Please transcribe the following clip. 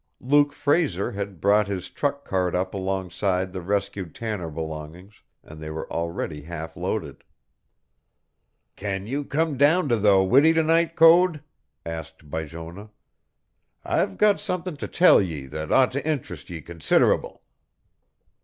Luke Fraser had brought his truck cart up alongside the rescued Tanner belongings, and they were already half loaded. "Can you come down to the widdy's to night, Code?" asked Bijonah. "I've got somethin' to tell ye that ought to int'rest ye consid'able."